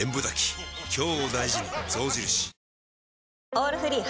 「オールフリー」